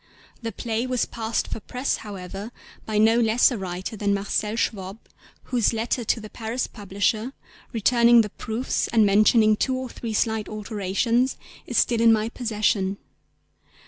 The play was passed for press, however, by no less a writer than Marcel Schwob whose letter to the Paris publisher, returning the proofs and mentioning two or three slight alterations, is still in my possession.